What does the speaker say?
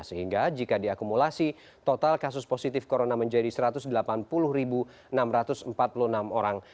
sehingga jika diakumulasi total kasus positif corona menjadi satu ratus delapan puluh enam ratus empat puluh enam orang